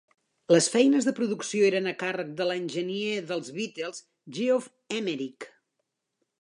Les feines de producció eren a càrrec de l'enginyer dels Beatles, Geoff Emerick.